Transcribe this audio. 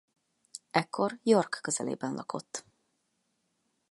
Ekkor York közelében lakott.